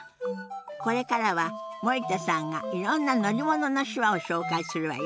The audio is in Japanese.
これからは森田さんがいろんな乗り物の手話を紹介するわよ。